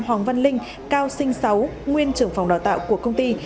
hoàng văn linh cao sinh sáu nguyên trưởng phòng đào tạo của công ty